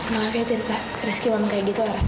maaf ya tirta reski banget kayak gitu orangnya